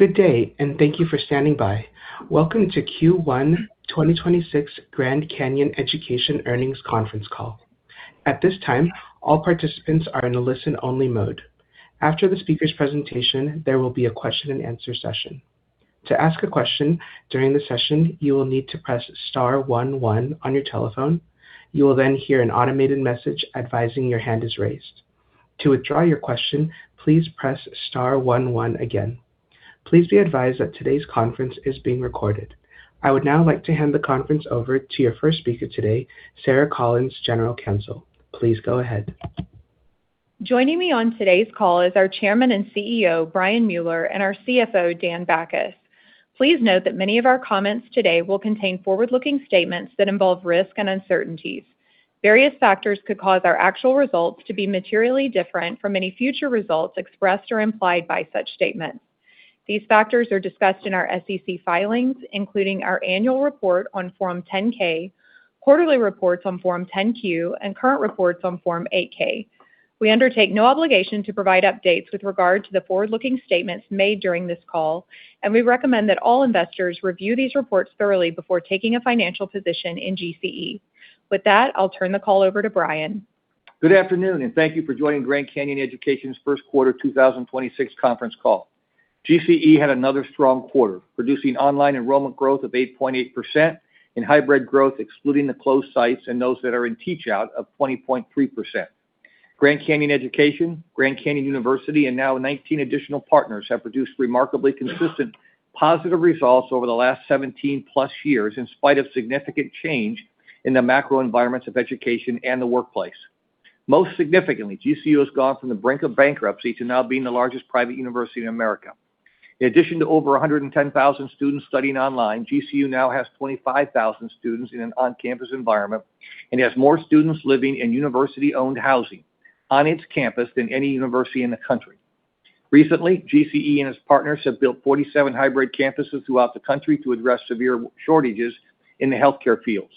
Good day, and thank you for standing by. Welcome to Q1 2026 Grand Canyon Education Earnings Conference Call. At this time, all participants are in a listen-only mode. After the speaker's presentation, there will be a question and answer session. To ask a question during the session, you will need to press star one one on your telephone. You will then hear an automated message advising your hand is raised. To withdraw your question, please press star one one again. Please be advised that today's conference is being recorded. I would now like to hand the conference over to your first speaker today, Sarah Collins, General Counsel. Please go ahead. Joining me on today's call is our Chairman and Chief Executive Officer, Brian Mueller, and our Chief Financial Officer, Daniel Bachus. Please note that many of our comments today will contain forward-looking statements that involve risk and uncertainties. Various factors could cause our actual results to be materially different from any future results expressed or implied by such statements. These factors are discussed in our SEC filings, including our annual report on Form 10-K, quarterly reports on Form 10-Q, and current reports on Form 8-K. We undertake no obligation to provide updates with regard to the forward-looking statements made during this call. We recommend that all investors review these reports thoroughly before taking a financial position in GCE. With that, I'll turn the call over to Brian. Good afternoon, and thank you for joining Grand Canyon Education's first quarter 2026 conference call. GCE had another strong quarter, producing online enrollment growth of 8.8% and hybrid growth, excluding the closed sites and those that are in teach out of 20.3%. Grand Canyon Education, Grand Canyon University, and now 19 additional partners have produced remarkably consistent positive results over the last 17+ years in spite of significant change in the macro environments of education and the workplace. Most significantly, GCU has gone from the brink of bankruptcy to now being the largest private university in America. In addition to over 110,000 students studying online, GCU now has 25,000 students in an on-campus environment and has more students living in university-owned housing on its campus than any university in the country. Recently, GCE and its partners have built 47 hybrid campuses throughout the country to address severe shortages in the healthcare fields.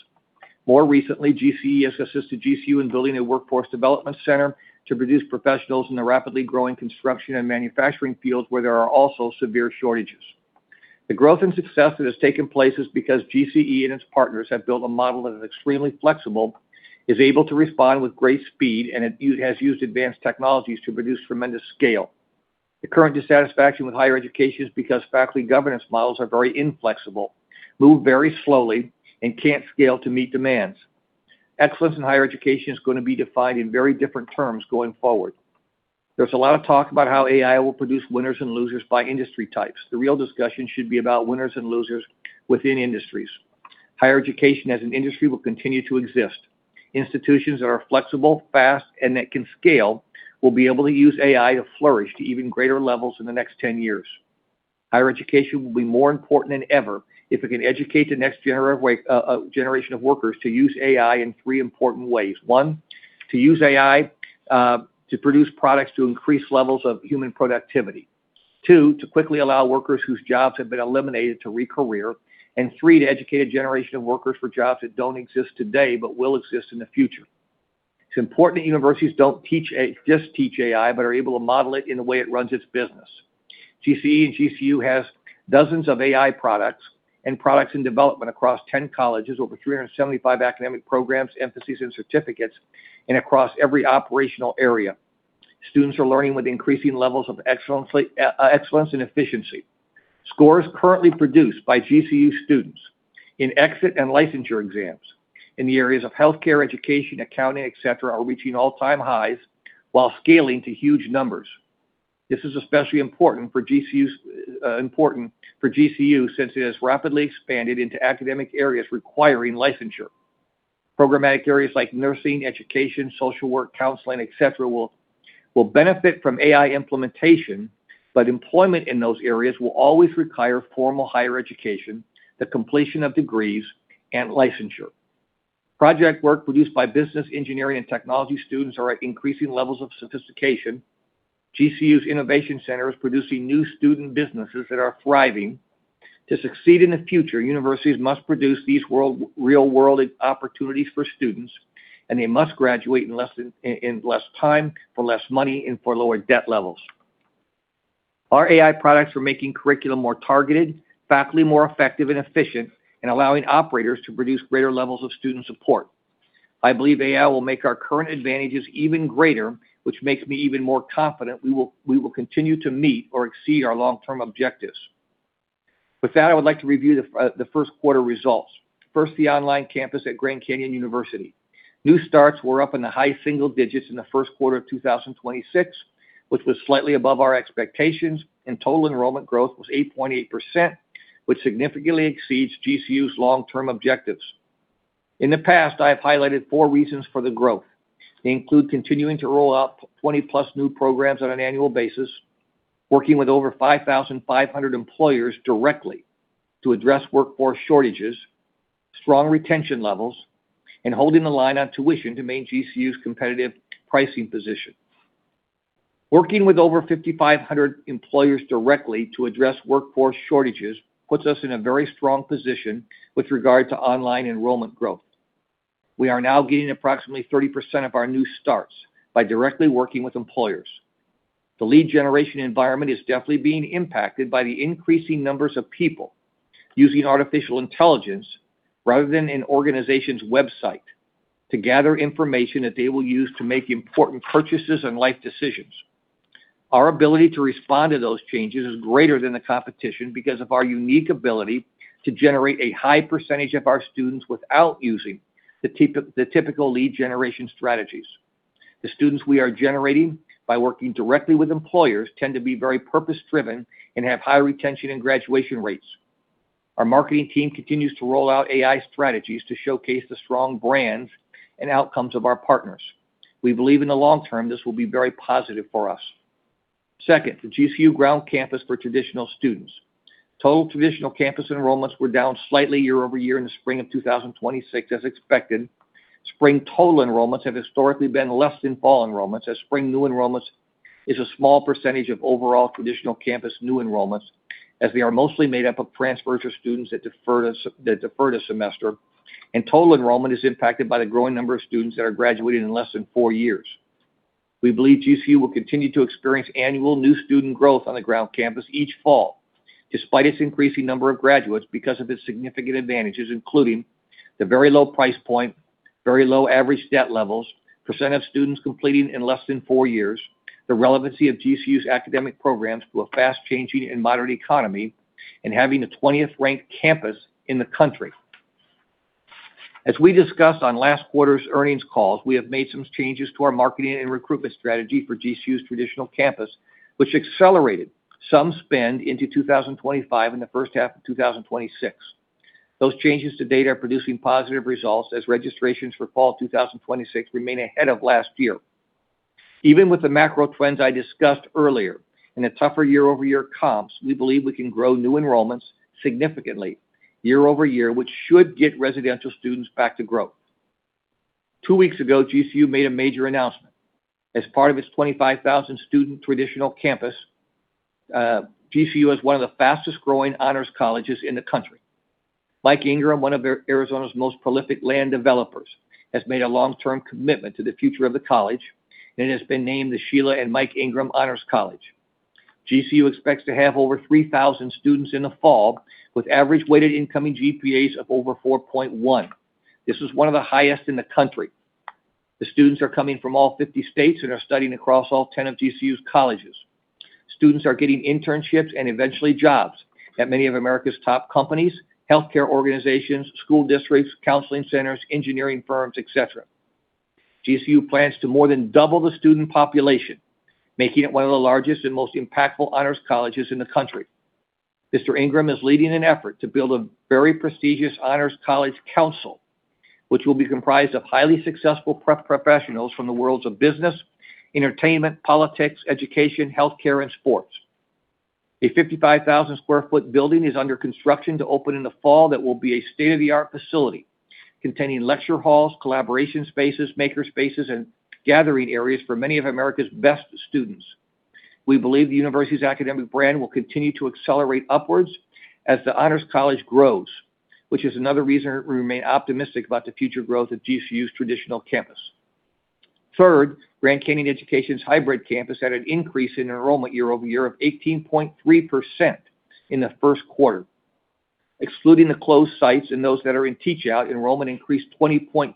More recently, GCE has assisted GCU in building a workforce development center to produce professionals in the rapidly growing construction and manufacturing fields where there are also severe shortages. The growth and success that has taken place is because GCE and its partners have built a model that is extremely flexible, is able to respond with great speed, and it has used advanced technologies to produce tremendous scale. The current dissatisfaction with higher education is because faculty governance models are very inflexible, move very slowly, and can't scale to meet demands. Excellence in higher education is gonna be defined in very different terms going forward. There's a lot of talk about how AI will produce winners and losers by industry types. The real discussion should be about winners and losers within industries. Higher education as an industry will continue to exist. Institutions that are flexible, fast, and that can scale will be able to use AI to flourish to even greater levels in the next 10 years. Higher education will be more important than ever if it can educate the next generation of workers to use AI in three important ways. One, to use AI to produce products to increase levels of human productivity. Two, to quickly allow workers whose jobs have been eliminated to re-career. Three, to educate a generation of workers for jobs that don't exist today but will exist in the future. It's important that universities don't just teach AI, but are able to model it in the way it runs its business. GCE and GCU has dozens of AI products and products in development across 10 colleges, over 375 academic programs, emphases, and certificates, and across every operational area. Students are learning with increasing levels of excellence and efficiency. Scores currently produced by GCU students in exit and licensure exams in the areas of healthcare, education, accounting, et cetera, are reaching all-time highs while scaling to huge numbers. This is especially important for GCU since it has rapidly expanded into academic areas requiring licensure. Programmatic areas like nursing, education, social work, counseling, et cetera, will benefit from AI implementation, but employment in those areas will always require formal higher education, the completion of degrees, and licensure. Project work produced by business, engineering, and technology students are at increasing levels of sophistication. GCU's Innovation Center is producing new student businesses that are thriving. To succeed in the future, universities must produce these real-world opportunities for students, they must graduate in less time for less money and for lower debt levels. Our AI products are making curriculum more targeted, faculty more effective and efficient, allowing operators to produce greater levels of student support. I believe AI will make our current advantages even greater, which makes me even more confident we will continue to meet or exceed our long-term objectives. With that, I would like to review the first quarter results. First, the online campus at Grand Canyon University. New starts were up in the high single digits in the first quarter of 2026, which was slightly above our expectations, total enrollment growth was 8.8%, which significantly exceeds GCU's long-term objectives. In the past, I have highlighted four reasons for the growth. They include continuing to roll out 20+ new programs on an annual basis, working with over 5,500 employers directly to address workforce shortages, strong retention levels, and holding the line on tuition to maintain GCU's competitive pricing position. Working with over 5,500 employers directly to address workforce shortages puts us in a very strong position with regard to online enrollment growth. We are now getting approximately 30% of our new starts by directly working with employers. The lead generation environment is definitely being impacted by the increasing numbers of people using artificial intelligence rather than an organization's website to gather information that they will use to make important purchases and life decisions. Our ability to respond to those changes is greater than the competition because of our unique ability to generate a high percentage of our students without using the typical lead generation strategies. The students we are generating by working directly with employers tend to be very purpose-driven and have high retention and graduation rates. Our marketing team continues to roll out AI strategies to showcase the strong brands and outcomes of our partners. We believe in the long term, this will be very positive for us. Second, the GCU ground campus for traditional students. Total traditional campus enrollments were down slightly YoY in the spring of 2026 as expected. Spring total enrollments have historically been less than fall enrollments as spring new enrollments is a small percentage of overall traditional campus new enrollments, as they are mostly made up of transfers or students that deferred a semester. Total enrollment is impacted by the growing number of students that are graduating in less than four years. We believe GCU will continue to experience annual new student growth on the ground campus each fall, despite its increasing number of graduates because of its significant advantages, including the very low price point, very low average debt levels, % of students completing in less than four years, the relevancy of GCU's academic programs to a fast-changing and modern economy, and having the 20th-ranked campus in the country. As we discussed on last quarter's earnings calls, we have made some changes to our marketing and recruitment strategy for GCU's traditional campus, which accelerated some spend into 2025 and the first half of 2026. Those changes to date are producing positive results as registrations for fall 2026 remain ahead of last year. Even with the macro trends I discussed earlier and a tougher YoY comps, we believe we can grow new enrollments significantly YoY, which should get residential students back to growth. Two weeks ago, GCU made a major announcement. As part of its 25,000 student traditional campus, GCU is one of the fastest-growing Honors Colleges in the country. Mike Ingram, one of Arizona's most prolific land developers, has made a long-term commitment to the future of the college and has been named the Sheila and Mike Ingram Honors College. GCU expects to have over 3,000 students in the fall with average weighted incoming GPAs of over 4.1. This is one of the highest in the country. The students are coming from all 50 states and are studying across all 10 of GCU's colleges. Students are getting internships and eventually jobs at many of America's top companies, healthcare organizations, school districts, counseling centers, engineering firms, et cetera. GCU plans to more than double the student population, making it one of the largest and most impactful honors colleges in the country. Mr. Ingram is leading an effort to build a very prestigious Honors College council, which will be comprised of highly successful pro-professionals from the worlds of business, entertainment, politics, education, healthcare, and sports. A 55,000 sq ft building is under construction to open in the fall that will be a state-of-the-art facility containing lecture halls, collaboration spaces, maker spaces, and gathering areas for many of America's best students. We believe the university's academic brand will continue to accelerate upwards as the Honors College grows, which is another reason we remain optimistic about the future growth of GCU's traditional campus. Third, Grand Canyon Education's hybrid campus had an increase in enrollment YoY of 18.3% in the first quarter. Excluding the closed sites and those that are in teach out, enrollment increased 20.3%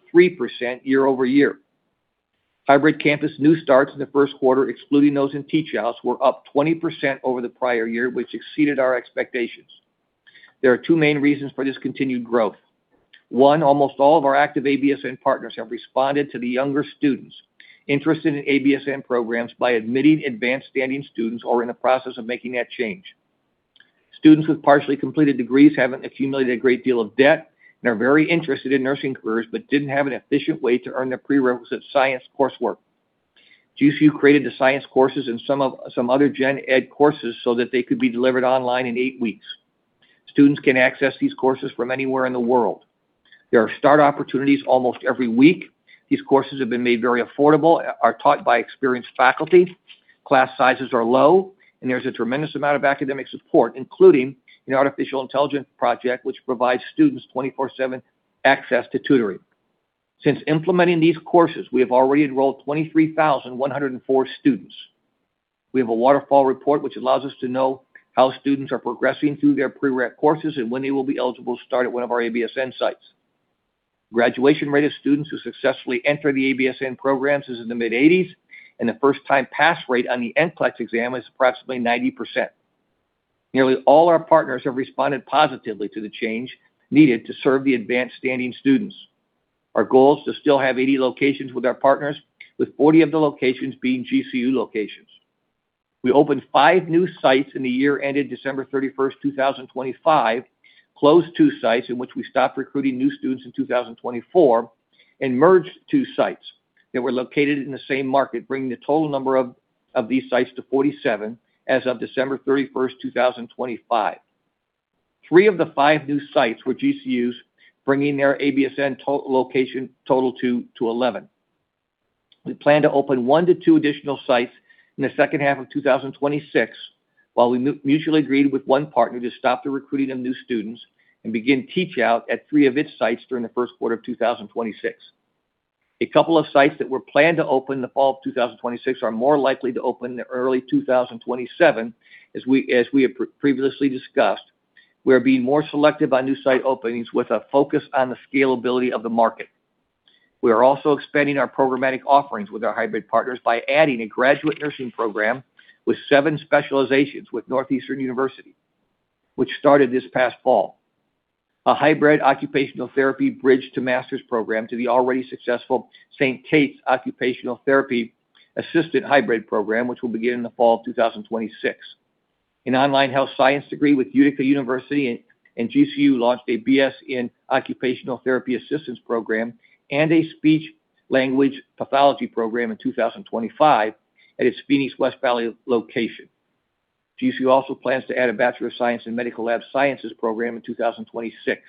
YoY. Hybrid campus new starts in the first quarter, excluding those in teach outs, were up 20% over the prior year, which exceeded our expectations. There are two main reasons for this continued growth. One, almost all of our active ABSN partners have responded to the younger students interested in ABSN programs by admitting advanced standing students or in the process of making that change. Students with partially completed degrees haven't accumulated a great deal of debt and are very interested in nursing careers but didn't have an efficient way to earn their prerequisite science coursework. GCU created the science courses and some other gen ed courses so that they could be delivered online in eight weeks. Students can access these courses from anywhere in the world. There are start opportunities almost every week. These courses have been made very affordable, are taught by experienced faculty, class sizes are low, and there's a tremendous amount of academic support, including an artificial intelligence project which provides students 24/7 access to tutoring. Since implementing these courses, we have already enrolled 23,104 students. We have a waterfall report which allows us to know how students are progressing through their pre-req courses and when they will be eligible to start at one of our ABSN sites. Graduation rate of students who successfully enter the ABSN programs is in the mid-80s, and the first-time pass rate on the NCLEX exam is approximately 90%. Nearly all our partners have responded positively to the change needed to serve the advanced standing students. Our goal is to still have 80 locations with our partners, with 40 of the locations being GCU locations. We opened five new sites in the year ended December 31, 2025, closed two sites in which we stopped recruiting new students in 2024, and merged two sites that were located in the same market, bringing the total number of these sites to 47 as of December 31, 2025. Three of the five new sites were GCU's, bringing their ABSN location total to 11. We plan to open one-two additional sites in the second half of 2026, while we mutually agreed with one partner to stop the recruiting of new students and begin teach out at three of its sites during the first quarter of 2026. A couple of sites that were planned to open in the fall of 2026 are more likely to open in early 2027 as we have previously discussed. We are being more selective on new site openings with a focus on the scalability of the market. We are also expanding our programmatic offerings with our hybrid partners by adding a graduate nursing program with seven specializations with Northeastern University, which started this past fall. A hybrid occupational therapy bridge to master's program to the already successful St. Kate's occupational therapy assistant hybrid program, which will begin in the fall of 2026. An online health science degree with Utica University, GCU launched a BS in occupational therapy assistance program and a speech language pathology program in 2025 at its Phoenix West Valley location. GCU also plans to add a Bachelor of Science in Medical Lab Sciences program in 2026.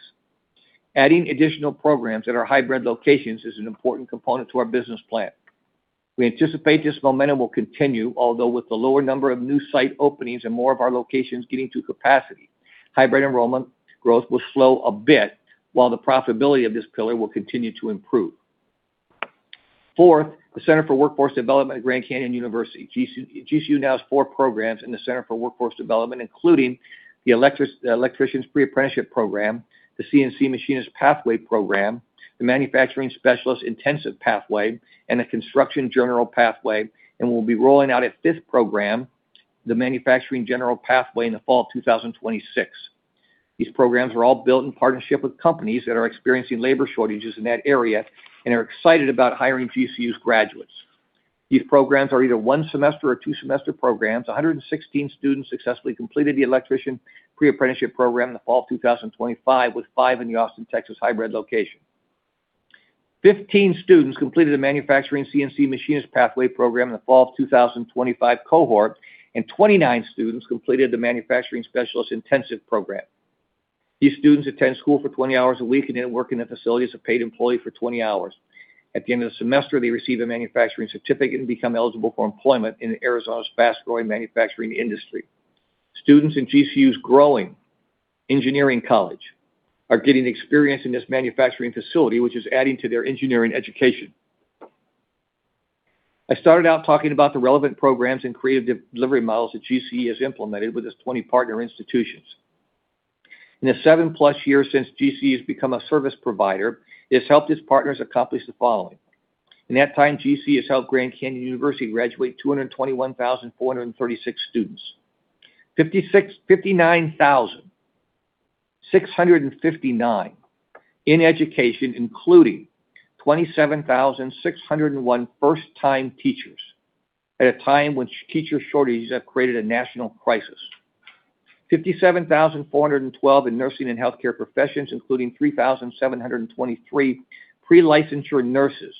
Adding additional programs at our hybrid locations is an important component to our business plan. We anticipate this momentum will continue, although with the lower number of new site openings and more of our locations getting to capacity, hybrid enrollment growth will slow a bit while the profitability of this pillar will continue to improve. Fourth, the Center for Workforce Development at Grand Canyon University. GCU now has four programs in the Center for Workforce Development, including the Pre-Apprenticeship for Electricians, the CNC Machinist Pathway, the Manufacturing Specialist Intensive Pathway, and the Pre-Apprentice Construction General Pathway, and we'll be rolling out a fifth program, the Manufacturing General Pathway, in the fall of 2026. These programs are all built in partnership with companies that are experiencing labor shortages in that area and are excited about hiring GCU's graduates. These programs are either one semester or one semester programs. 116 students successfully completed the Electrician Pre-Apprenticeship Program in the fall of 2025, with five in the Austin, Texas hybrid location. 15 students completed the Manufacturing CNC Machinist Pathway Program in the fall of 2025 cohort, and 29 students completed the Manufacturing Specialist Intensive Program. These students attend school for 20 hours a week and then work in the facility as a paid employee for 20 hours. At the end of the semester, they receive a manufacturing certificate and become eligible for employment in Arizona's fast-growing manufacturing industry. Students in GCU's growing engineering college are getting experience in this manufacturing facility, which is adding to their engineering education. I started out talking about the relevant programs and creative delivery models that GCE has implemented with its 20 partner institutions. In the 7+ years since GCE has become a service provider, it has helped its partners accomplish the following. In that time, GCE has helped Grand Canyon University graduate 221,436 students. 59,659 in education, including 27,601 first-time teachers at a time when teacher shortages have created a national crisis. 57,412 in nursing and healthcare professions, including 3,723 pre-licensure nurses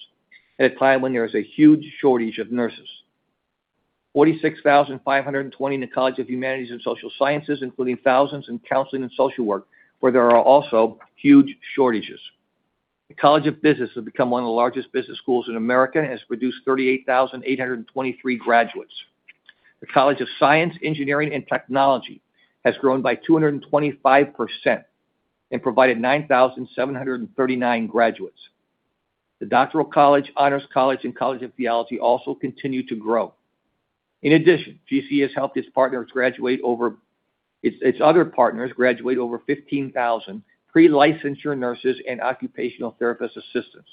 at a time when there is a huge shortage of nurses. 46,520 in the College of Humanities and Social Sciences, including thousands in counseling and social work, where there are also huge shortages. The College of Business has become one of the largest business schools in America and has produced 38,823 graduates. The College of Science, Engineering, and Technology has grown by 225% and provided 9,739 graduates. The Doctoral College, Honors College, and College of Theology also continue to grow. In addition, GCE has helped its other partners graduate over 15,000 pre-licensure nurses and occupational therapist assistants.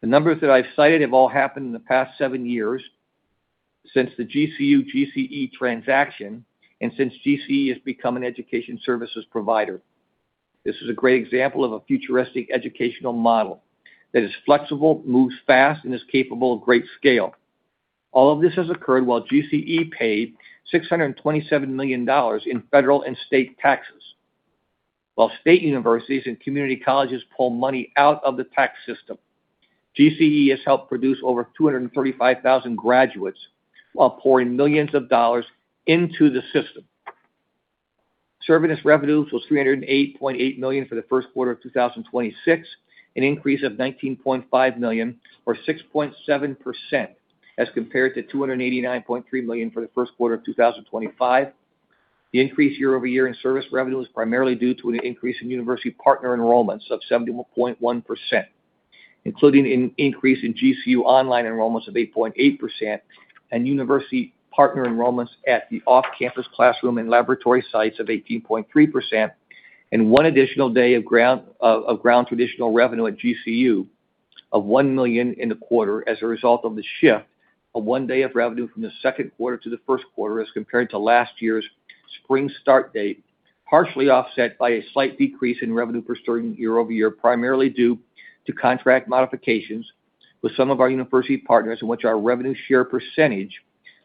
The numbers that I've cited have all happened in the past seven years since the GCU GCE transaction and since GCE has become an education services provider. This is a great example of a futuristic educational model that is flexible, moves fast, and is capable of great scale. All of this has occurred while GCE paid $627 million in federal and state taxes. While state universities and community colleges pull money out of the tax system, GCE has helped produce over 235,000 graduates while pouring millions of dollars into the system. Service revenues was $308.8 million for the first quarter of 2026, an increase of $19.5 million or 6.7% as compared to $289.3 million for the first quarter of 2025. The increase YoY in service revenue was primarily due to an increase in university partner enrollments of 71.1%, including an increase in GCU online enrollments of 8.8% and university partner enrollments at the off-campus classroom and laboratory sites of 18.3%, and one additional day of ground traditional revenue at GCU of $1 million in the quarter as a result of the shift of one day of revenue from the second quarter to the first quarter as compared to last year's spring start date, partially offset by a slight decrease in revenue per student YoY, primarily due to contract modifications with some of our university partners in which our revenue share percentage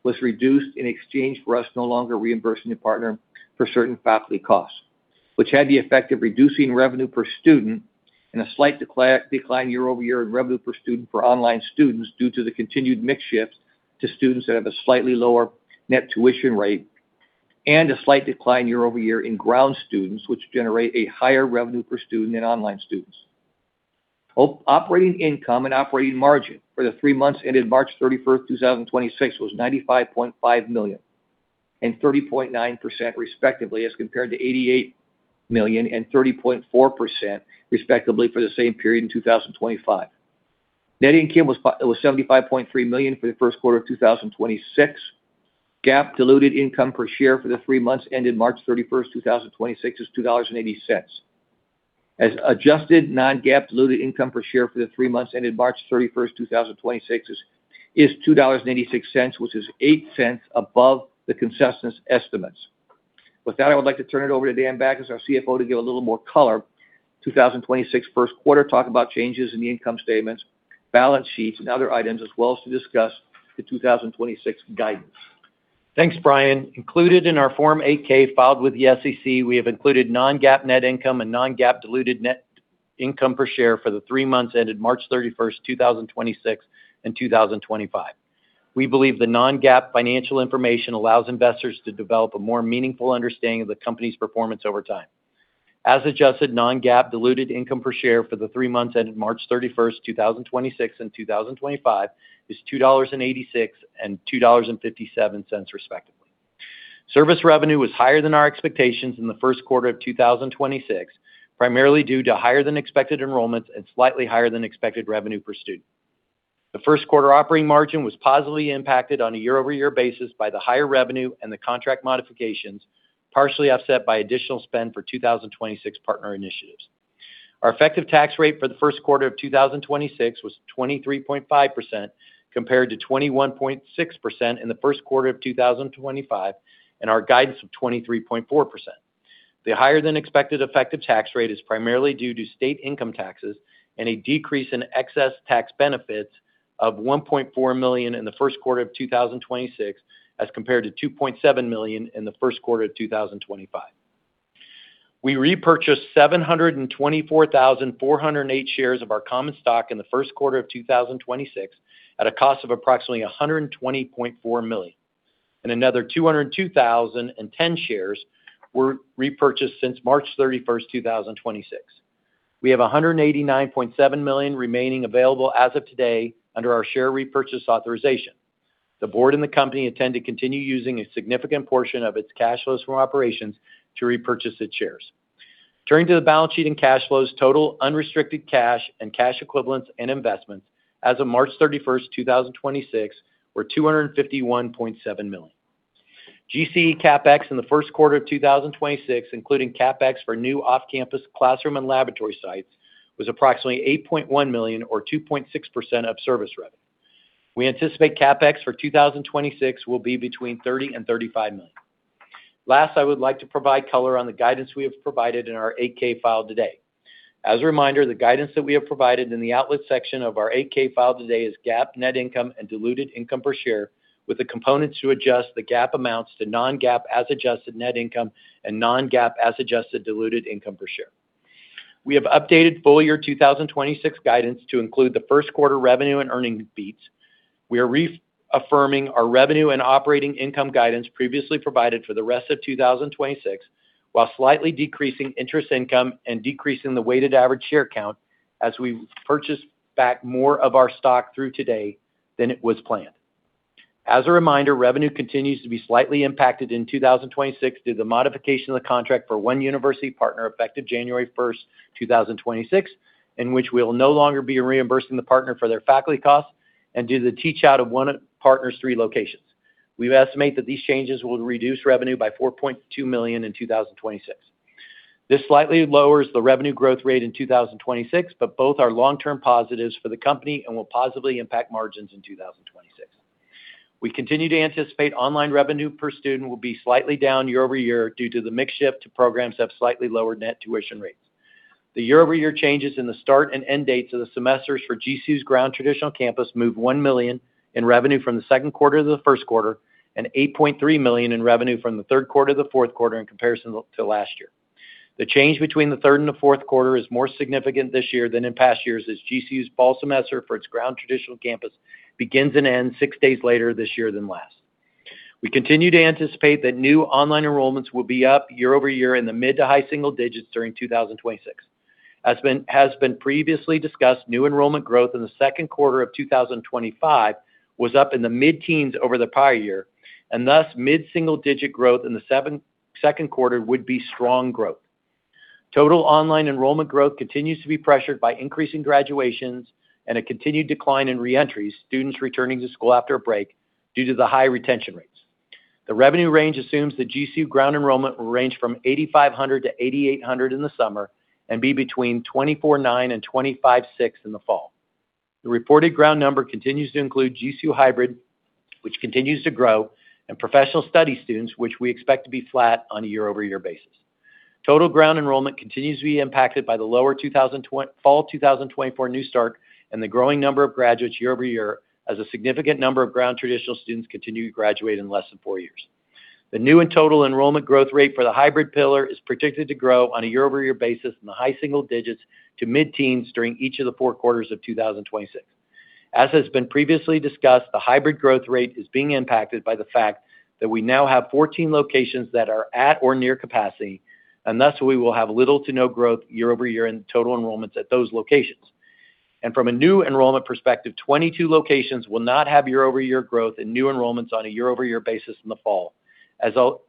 was reduced in exchange for us no longer reimbursing the partner for certain faculty costs, which had the effect of reducing revenue per student and a slight decline YoY in revenue per student for online students due to the continued mix shift to students that have a slightly lower net tuition rate. A slight decline YoY in ground students, which generate a higher revenue per student than online students. Operating income and operating margin for the three months ended March 31st, 2026 was $95.5 million and 30.9% respectively, as compared to $88 million and 30.4% respectively for the same period in 2025. Net income was $75.3 million for the first quarter of 2026. GAAP diluted income per share for the three months ended March 31st, 2026 is $2.80. As adjusted non-GAAP diluted income per share for the three months ended March 31st, 2026 is $2.86, which is $0.08 above the consensus estimates. With that, I would like to turn it over to Daniel Bachus, our Chief Financial Officer, to give a little more color, 2026 first quarter, talk about changes in the income statements, balance sheets, and other items, as well as to discuss the 2026 guidance. Thanks, Brian. Included in our Form 8-K filed with the SEC, we have included non-GAAP net income and non-GAAP diluted net income per share for the three months ended March 31st, 2026 and 2025. We believe the non-GAAP financial information allows investors to develop a more meaningful understanding of the company's performance over time. As adjusted non-GAAP diluted income per share for the three months ended March 31st, 2026 and 2025 is $2.86 and $2.57 respectively. Service revenue was higher than our expectations in the first quarter of 2026, primarily due to higher than expected enrollments and slightly higher than expected revenue per student. The first quarter operating margin was positively impacted on a YoY basis by the higher revenue and the contract modifications, partially offset by additional spend for 2026 partner initiatives. Our effective tax rate for the first quarter of 2026 was 23.5% compared to 21.6% in the first quarter of 2025, and our guidance of 23.4%. The higher than expected effective tax rate is primarily due to state income taxes and a decrease in excess tax benefits of $1.4 million in the first quarter of 2026 as compared to $2.7 million in the first quarter of 2025. We repurchased 724,408 shares of our common stock in the first quarter of 2026 at a cost of approximately $120.4 million. Another 202,010 shares were repurchased since March 31, 2026. We have $189.7 million remaining available as of today under our share repurchase authorization. The board and the company intend to continue using a significant portion of its cash flows from operations to repurchase its shares. Turning to the balance sheet and cash flows, total unrestricted cash and cash equivalents and investments as of March 31, 2026 were $251.7 million. GCE CapEx in the first quarter of 2026, including CapEx for new off-campus classroom and laboratory sites, was approximately $8.1 million or 2.6% of service revenue. We anticipate CapEx for 2026 will be between $30 million-$35 million. Last, I would like to provide color on the guidance we have provided in our 8-K filed today. As a reminder, the guidance that we have provided in the outlook section of our 8-K filed today is GAAP net income and diluted income per share, with the components to adjust the GAAP amounts to non-GAAP as adjusted net income and non-GAAP as adjusted diluted income per share. We have updated full year 2026 guidance to include the first quarter revenue and earnings beats. We are re-affirming our revenue and operating income guidance previously provided for the rest of 2026, while slightly decreasing interest income and decreasing the weighted average share count as we purchase back more of our stock through today than it was planned. As a reminder, revenue continues to be slightly impacted in 2026 due to the modification of the contract for one university partner effective January 1st, 2026, in which we'll no longer be reimbursing the partner for their faculty costs and due to the teach out of one partner's three locations. We estimate that these changes will reduce revenue by $4.2 million in 2026. This slightly lowers the revenue growth rate in 2026, but both are long-term positives for the company and will positively impact margins in 2026. We continue to anticipate online revenue per student will be slightly down YoY due to the mix shift to programs that have slightly lower net tuition rates. The YoY changes in the start and end dates of the semesters for GCU's ground traditional campus move $1 million in revenue from the second quarter to the first quarter and $8.3 million in revenue from the third quarter to the fourth quarter in comparison to last year. The change between the third and the fourth quarter is more significant this year than in past years, as GCU's fall semester for its ground traditional campus begins and ends six days later this year than last. We continue to anticipate that new online enrollments will be up YoY in the mid to high single digits during 2026. As has been previously discussed, new enrollment growth in the second quarter of 2025 was up in the mid-teens over the prior year, and thus mid-single digit growth in the second quarter would be strong growth. Total online enrollment growth continues to be pressured by increasing graduations and a continued decline in re-entries, students returning to school after a break due to the high retention rates. The revenue range assumes that GCU ground enrollment will range from 8,500-8,800 in the summer and be between 24,900 and 25,600 in the fall. The reported ground number continues to include GCU Hybrid, which continues to grow, and Professional Studies students, which we expect to be flat on a YoY basis. Total ground enrollment continues to be impacted by the lower fall 2024 new start and the growing number of graduates YoY as a significant number of ground traditional students continue to graduate in less than four years. The new and total enrollment growth rate for the hybrid pillar is predicted to grow on a YoY basis in the high single digits to mid-teens during each of the four quarters of 2026. As has been previously discussed, the hybrid growth rate is being impacted by the fact that we now have 14 locations that are at or near capacity, and thus we will have little to no growthYoY in total enrollments at those locations. From a new enrollment perspective, 22 locations will not have YoY growth in new enrollments on a YoY basis in the fall.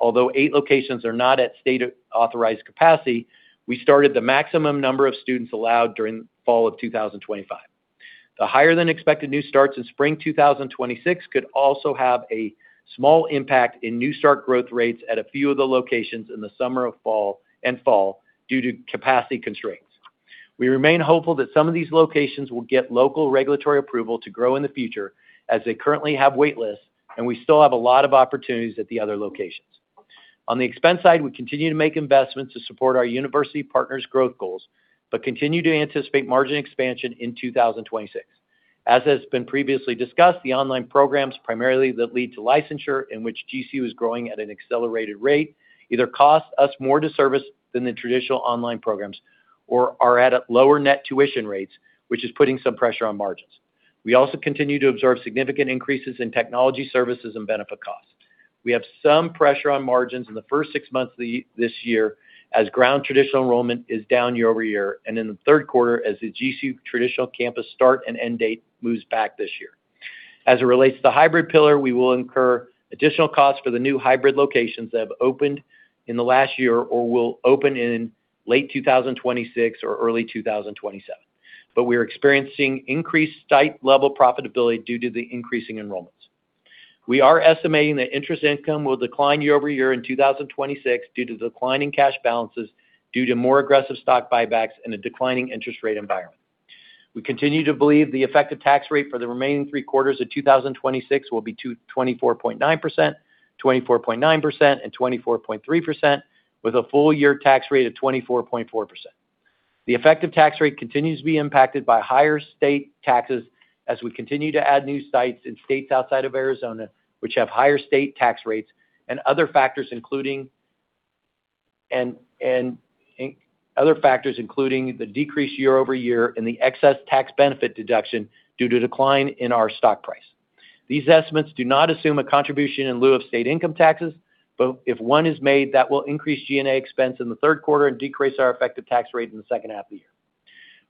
Although eight locations are not at state authorized capacity, we started the maximum number of students allowed during fall of 2025. The higher than expected new starts in spring 2026 could also have a small impact in new start growth rates at a few of the locations in the fall due to capacity constraints. We remain hopeful that some of these locations will get local regulatory approval to grow in the future, as they currently have wait lists, and we still have a lot of opportunities at the other locations. On the expense side, we continue to make investments to support our university partners' growth goals, but continue to anticipate margin expansion in 2026. As has been previously discussed, the online programs primarily that lead to licensure in which GCU is growing at an accelerated rate either cost us more to service than the traditional online programs or are at a lower net tuition rates, which is putting some pressure on margins. We also continue to observe significant increases in technology services and benefit costs. We have some pressure on margins in the first six months of this year as ground traditional enrollment is down YoY and in the third quarter as the GCU traditional campus start and end date moves back this year. As it relates to the hybrid pillar, we will incur additional costs for the new hybrid locations that have opened in the last year or will open in late 2026 or early 2027. We are experiencing increased site-level profitability due to the increasing enrollments. We are estimating that interest income will decline YoY in 2026 due to declining cash balances due to more aggressive stock buybacks and a declining interest rate environment. We continue to believe the effective tax rate for the remaining three quarters of 2026 will be 24.9%, 24.9%, and 24.3%, with a full year tax rate of 24.4%. The effective tax rate continues to be impacted by higher state taxes as we continue to add new sites in states outside of Arizona, which have higher state tax rates and other factors, including the decrease YoY and the excess tax benefit deduction due to decline in our stock price. These estimates do not assume a contribution in lieu of state income taxes. If one is made, that will increase G&A expense in the third quarter and decrease our effective tax rate in the second half of the year.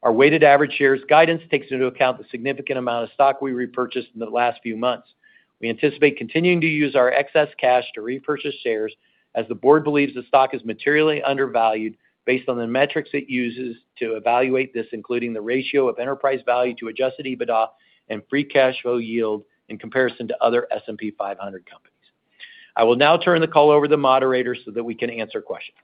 Our weighted average shares guidance takes into account the significant amount of stock we repurchased in the last few months. We anticipate continuing to use our excess cash to repurchase shares as the board believes the stock is materially undervalued based on the metrics it uses to evaluate this including the ratio of enterprise value to Adjusted EBITDA and free cash flow yield in comparison to other S&P 500 companies. I will now turn the call over to the moderator so that we can answer questions.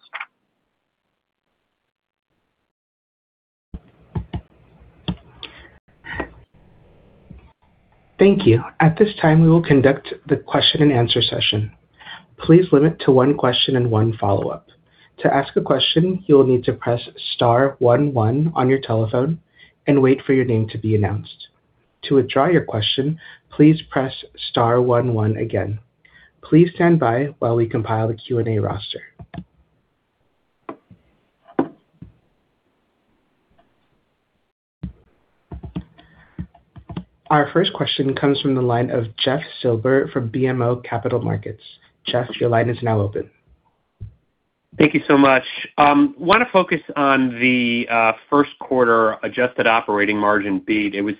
Thank you. At this time, we will conduct the question and answer session. Please limit to one question and one follow-up. To ask a question, you will need to press star one one on your telephone and wait for your name to be announced. To withdraw your question, please press star one one again. Please stand by while we compile the Q&A roster. Our first question comes from the line of Jeff Silber from BMO Capital Markets. Jeff, your line is now open. Thank you so much. I wanna focus on the first quarter adjusted operating margin beat. It was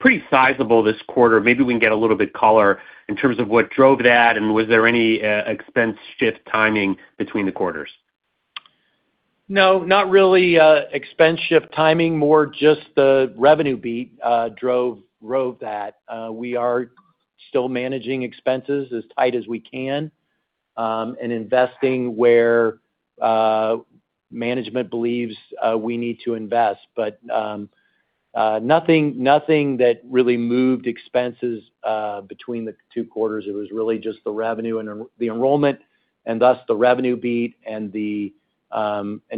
pretty sizable this quarter. Maybe we can get a little bit color in terms of what drove that, and was there any expense shift timing between the quarters? No, not really, expense shift timing, more just the revenue beat, drove that. We are still managing expenses as tight as we can, and investing where management believes we need to invest. Nothing that really moved expenses between the two quarters. It was really just the revenue and the enrollment and thus the revenue beat and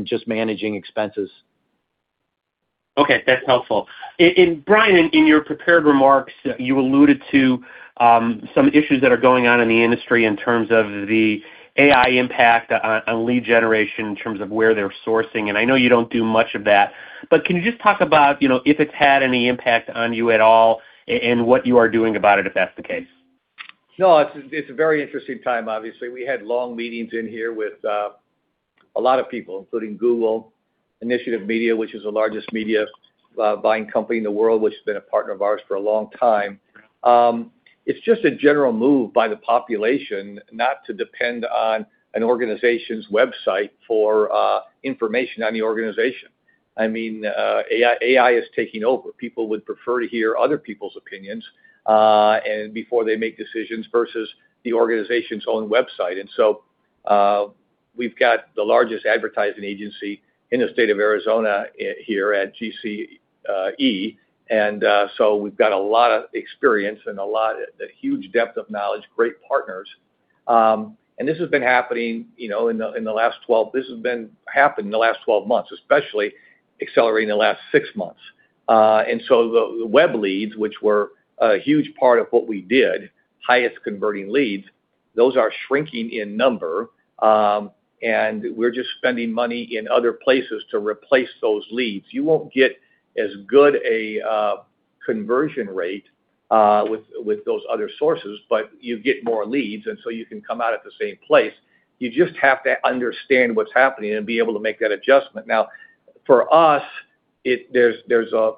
just managing expenses. Okay, that's helpful. Brian, in your prepared remarks, you alluded to some issues that are going on in the industry in terms of the AI impact on lead generation in terms of where they're sourcing, and I know you don't do much of that. Can you just talk about, you know, if it's had any impact on you at all and what you are doing about it, if that's the case? No, it's a very interesting time, obviously. We had long meetings in here with a lot of people, including Google, Initiative Media, which is the largest media buying company in the world, which has been a partner of ours for a long time. It's just a general move by the population not to depend on an organization's website for information on the organization. I mean, AI is taking over. People would prefer to hear other people's opinions before they make decisions versus the organization's own website. We've got the largest advertising agency in the state of Arizona here at GCE. We've got a lot of experience and a huge depth of knowledge, great partners. This has been happening, you know, in the last 12 months, especially accelerating in the last six months. The web leads, which were a huge part of what we did, highest converting leads. Those are shrinking in number, we're just spending money in other places to replace those leads. You won't get as good a conversion rate with those other sources, but you get more leads, you can come out at the same place. You just have to understand what's happening and be able to make that adjustment. Now, for us, there's a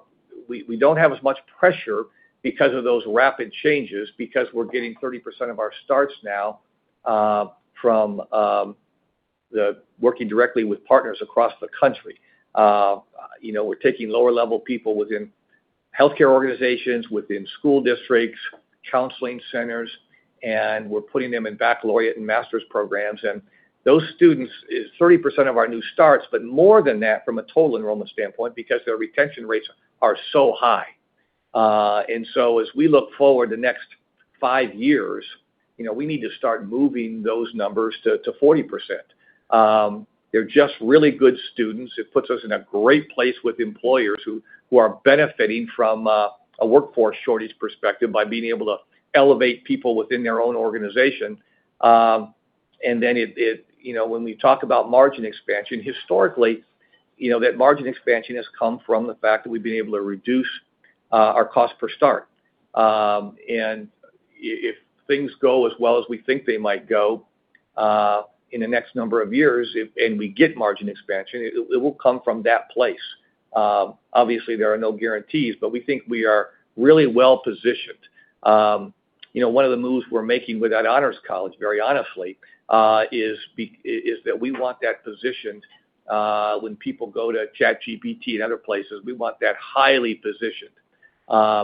we don't have as much pressure because of those rapid changes because we're getting 30% of our starts now from the working directly with partners across the country. You know, we're taking lower-level people within healthcare organizations, within school districts, counseling centers, we're putting them in baccalaureate and master's programs. Those students is 30% of our new starts, but more than that from a total enrollment standpoint because their retention rates are so high. As we look forward the next five years, you know, we need to start moving those numbers to 40%. They're just really good students. It puts us in a great place with employers who are benefiting from a workforce shortage perspective by being able to elevate people within their own organization. You know, when we talk about margin expansion, historically, you know, that margin expansion has come from the fact that we've been able to reduce our cost per start. If things go as well as we think they might go in the next number of years, and we get margin expansion, it will come from that place. Obviously, there are no guarantees, but we think we are really well-positioned. You know, one of the moves we're making with that Honors College, very honestly, is that we want that positioned when people go to ChatGPT and other places. We want that highly positioned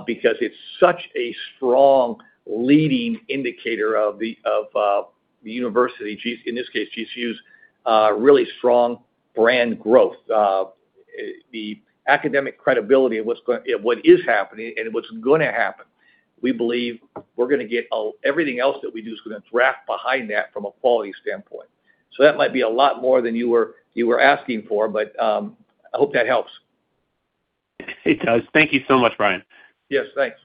because it's such a strong leading indicator of the university, GCU's, really strong brand growth. The academic credibility of what is happening and what's gonna happen, we believe we're gonna get. Everything else that we do is gonna draft behind that from a quality standpoint. That might be a lot more than you were asking for, but I hope that helps. It does. Thank you so much, Brian. Yes, thanks.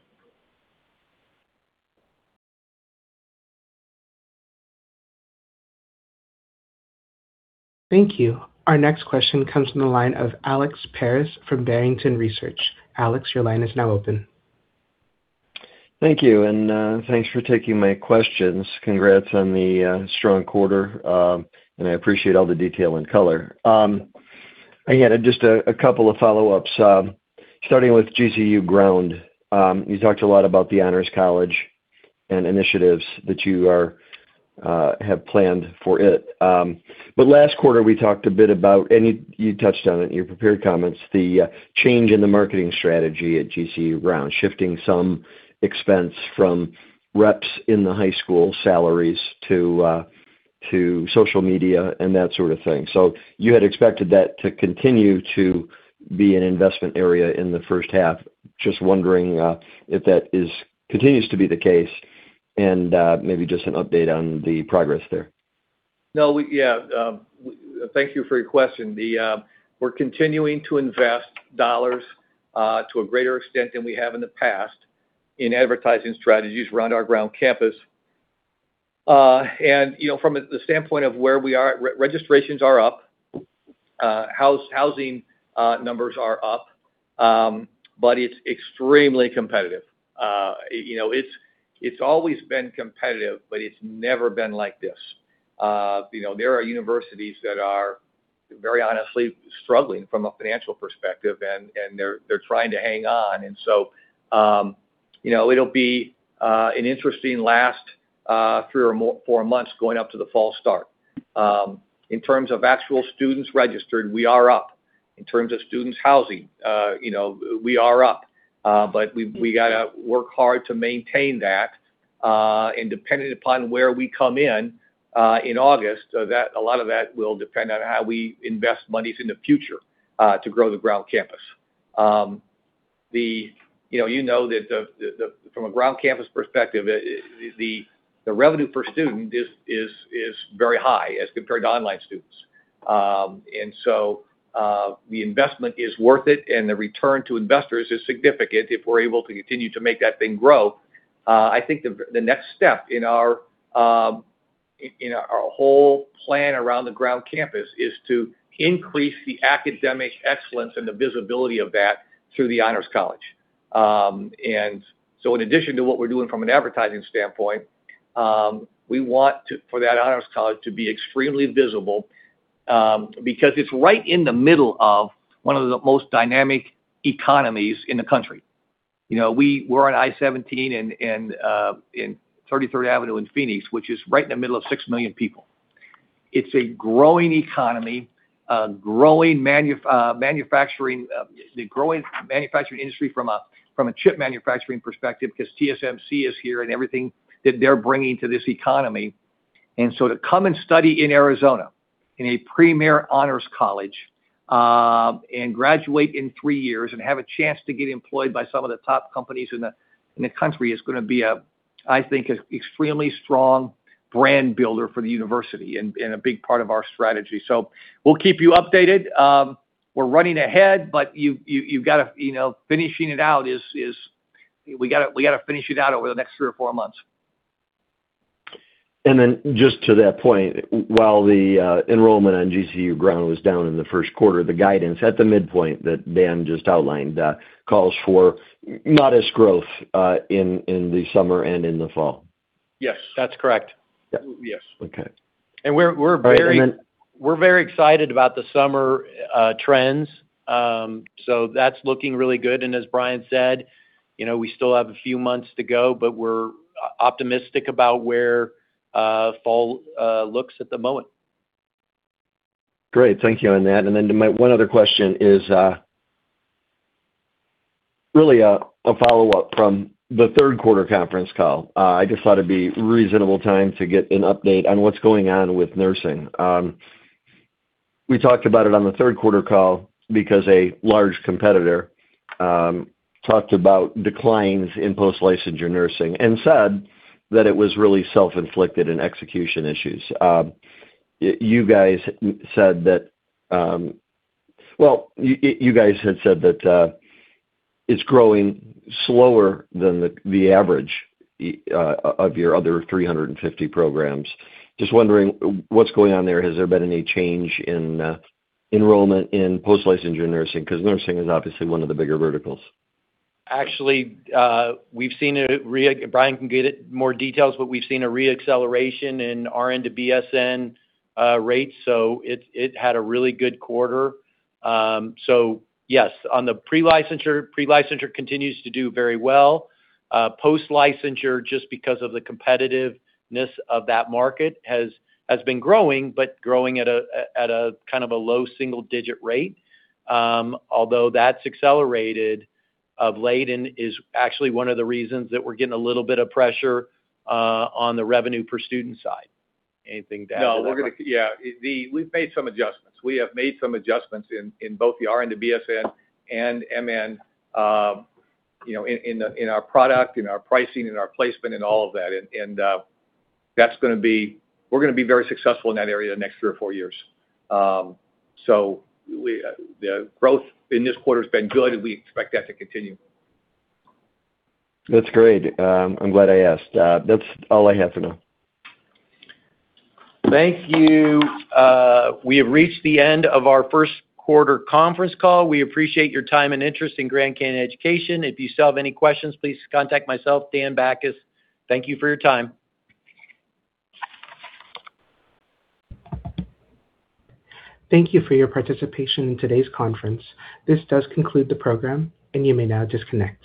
Thank you. Our next question comes from the line of Alex Paris from Barrington Research. Alex, your line is now open. Thank you. Thanks for taking my questions. Congrats on the strong quarter. I appreciate all the detail and color. Again, just a couple of follow-ups, starting with GCU Ground. You talked a lot about the Honors College and initiatives that you have planned for it. Last quarter, we talked a bit about, and you touched on it in your prepared comments, the change in the marketing strategy at GCU Ground, shifting some expense from reps in the high school salaries to social media and that sort of thing. You had expected that to continue to be an investment area in the first half. Just wondering if that continues to be the case, maybe just an update on the progress there. No. Thank you for your question. The, we're continuing to invest dollars to a greater extent than we have in the past in advertising strategies around our Ground Campus. You know, from the standpoint of where we are, re-registrations are up, housing numbers are up, it's extremely competitive. You know, it's always been competitive, it's never been like this. You know, there are universities that are, very honestly, struggling from a financial perspective, and they're trying to hang on. You know, it'll be an interesting last three or four months going up to the fall start. In terms of actual students registered, we are up. In terms of students housing, you know, we are up. We gotta work hard to maintain that, and depending upon where we come in August, a lot of that will depend on how we invest monies in the future, to grow the Ground Campus. You know that from a Ground Campus perspective, the revenue per student is very high as compared to online students. The investment is worth it, and the return to investors is significant if we're able to continue to make that thing grow. I think the next step in our in our whole plan around the Ground Campus is to increase the academic excellence and the visibility of that through the Honors College. In addition to what we're doing from an advertising standpoint, we want for that Honors College to be extremely visible because it's right in the middle of one of the most dynamic economies in the country. You know, we're on I-17 in Thirty-Third Avenue in Phoenix, which is right in the middle of six million people. It's a growing economy, growing manufacturing, the growing manufacturing industry from a chip manufacturing perspective because TSMC is here and everything that they're bringing to this economy. To come and study in Arizona in a premier Honors College, and graduate in three years and have a chance to get employed by some of the top companies in the country is going to be an extremely strong brand builder for the university and a big part of our strategy. We'll keep you updated. We're running ahead, you've gotta, you know, finishing it out is we gotta finish it out over the next three or four months. Just to that point, while the enrollment on GCU Ground was down in the first quarter, the guidance at the midpoint that Dan just outlined, calls for modest growth in the summer and in the fall. Yes, that's correct. Yeah. Yes. Okay. we're very And then- We're very excited about the summer trends. That's looking really good. As Brian said, you know, we still have a few months to go, but we're optimistic about where fall looks at the moment. Great. Thank you on that. Then one other question is really a follow-up from the third quarter conference call. I just thought it'd be reasonable time to get an update on what's going on with nursing. We talked about it on the third quarter call because a large competitor talked about declines in post-licensure nursing and said that it was really self-inflicted and execution issues. You guys said that, Well, you guys had said that it's growing slower than the average of your other 350 programs. Just wondering what's going on there. Has there been any change in enrollment in post-licensure nursing? 'Cause nursing is obviously one of the bigger verticals. Actually, Brian can get in more details, but we've seen a re-acceleration in RN to BSN rates, so it had a really good quarter. Yes, on the pre-licensure, pre-licensure continues to do very well. Post-licensure, just because of the competitiveness of that market has been growing, but growing at a kind of a low single-digit rate. Although that's accelerated of late and is actually one of the reasons that we're getting a little bit of pressure on the revenue per student side. Anything to add to that, Brian? We have made some adjustments in both the RN to BSN and MSN, you know, in our product, in our pricing, in our placement, in all of that. We're gonna be very successful in that area the next three or four years. The growth in this quarter's been good, and we expect that to continue. That's great. I'm glad I asked. That's all I had for now. Thank you. We have reached the end of our first quarter conference call. We appreciate your time and interest in Grand Canyon Education. If you still have any questions, please contact myself, Daniel E. Bachus. Thank you for your time. Thank you for your participation in today's conference. This does conclude the program, and you may now disconnect.